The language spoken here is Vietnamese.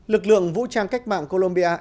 lực lượng vũ trang cách mạng columbia